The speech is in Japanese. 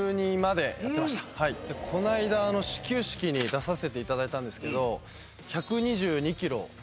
この間始球式に出させていただいたんですけど。